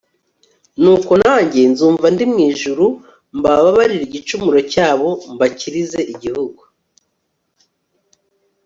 nuko nanjye nzumva ndi mu ijuru, mbababarire igicumuro cyabo, mbakirize igihugu